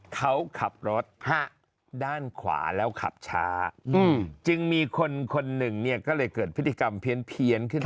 เขาขับรถด้านขวาแล้วขับช้าจึงมีคนคนหนึ่งเนี่ยก็เลยเกิดพฤติกรรมเพี้ยนขึ้นมา